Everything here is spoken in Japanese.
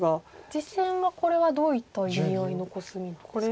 実戦はこれはどういった意味合いのコスミなんですか？